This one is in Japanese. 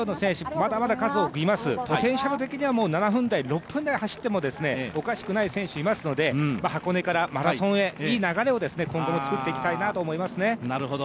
まだまだ数多くいます、ポテンシャル的には７分台、６分台を走ってもおかしくない選手いますので、箱根からマラソンへいい流れを今後も作っていきたいなと思いますね。